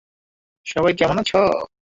সবাই কেমন আছো?